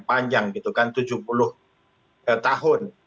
panjang gitu kan tujuh puluh tahun